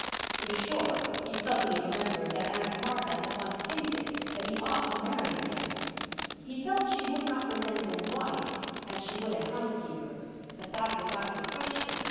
To be sure, he suddenly remembered that Aunt Martha had once hinted that he ought to marry again. He felt she would not resent a wife as she would a housekeeper. But that was out of the question.